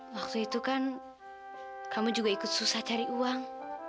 waktu itu kan kamu juga ikut susah cari uang